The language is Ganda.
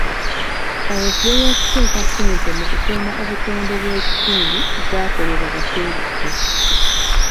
Kaweefube w'okuteeka ssente mu kukuuma obutonde bw'ekitundu zaakolebwa ba kyeruppe.